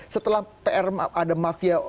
setelah ada mafia